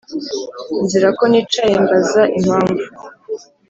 nzira ko nicaye mbaza impamvu! …